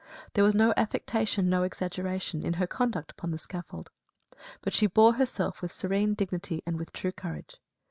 There was no affectation, no exaggeration, in her conduct upon the scaffold; but she bore herself with serene dignity and with true courage.